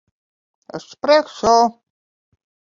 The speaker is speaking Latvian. Uz priekšu!